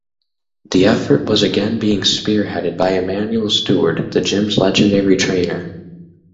The effort was again being spearheaded by Emanuel Steward, the gym's legendary trainer.